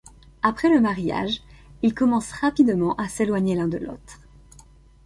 Après le mariage, ils commencent rapidement à s'éloigner l'un de l'autre.